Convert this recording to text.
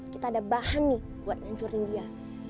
kita ada bahan nih buat ngancurin dia